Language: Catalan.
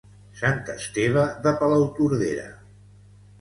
Sant Esteve de Palautordera.